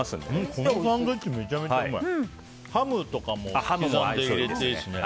このサンドイッチめちゃめちゃおいしい。